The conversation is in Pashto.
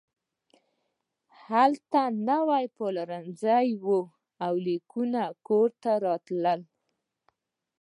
هلته نوي پلورنځي وو او لیکونه کور ته راتلل